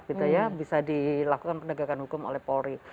itu bisa diungkap bisa dilakukan pelewangan hukum oleh polri